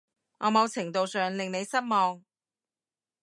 我某程度上令你失望